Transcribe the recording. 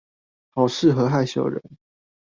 好適合害羞人